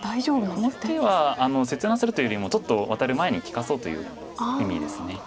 この手は切断するというよりもちょっとワタる前に利かそうという意味です。